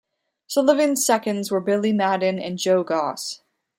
Sullivan's seconds were Billy Madden and Joe Goss.